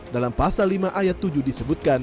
dalam pasal lima ayat tujuh disebutkan